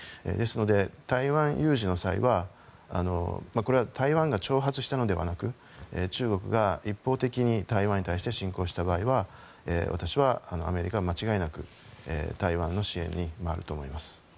ですので、台湾有事の際はこれは台湾が挑発したのではなく中国が一方的に台湾に対して侵攻した場合は私はアメリカは間違いなく台湾の支援に回ると思います。